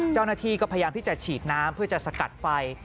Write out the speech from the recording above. เจ้าหน้าที่ก็พยายามที่จะฉีดน้ำเพื่อจะสกัดไฟ